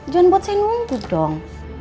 jangan buat saya nunggu dong